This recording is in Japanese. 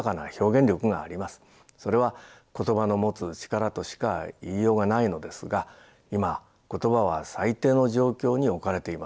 それは言葉の持つ力としか言いようがないのですが今言葉は最低の状況に置かれています。